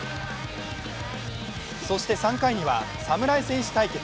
そして３回には侍戦士対決。